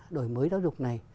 đổi mới giáo dục này